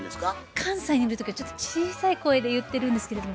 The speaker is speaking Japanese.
関西にいる時はちょっと小さい声で言ってるんですけれども。